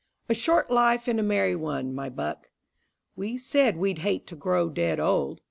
A short life and a merry one, my buck! We said we'd hate to grow dead old.